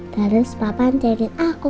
terus papa ncarin aku